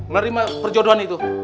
nerima perjodohan itu